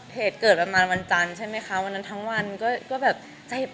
เหตุเกิดประมาณวันจันทร์ใช่ไหมคะวันนั้นทั้งวันก็แบบเจ็บ